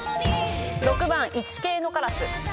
６番イチケイのカラス。